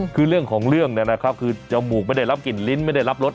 คือเรื่องของเรื่องเนี่ยนะครับคือจมูกไม่ได้รับกลิ่นลิ้นไม่ได้รับรส